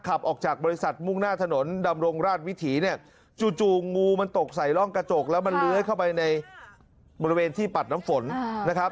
ขับออกจากบริษัทมุ่งหน้าถนนดำรงราชวิถีเนี่ยจู่งูมันตกใส่ร่องกระจกแล้วมันเลื้อยเข้าไปในบริเวณที่ปัดน้ำฝนนะครับ